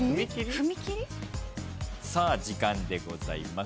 ・踏み切り？さあ時間でございます。